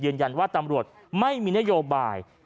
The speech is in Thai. ยืนยันว่าตำรวจไม่มีนโยบาย